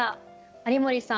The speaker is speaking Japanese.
有森さん